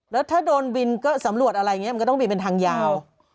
แล้วถ้าโดนบินก็สำรวจอะไรอย่างนี้มันก็ต้องบินเป็นทางยาว